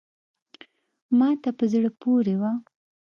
ما ته په زړه پوري وه …